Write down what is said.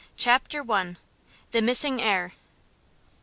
Chapter I. The Missing Heir.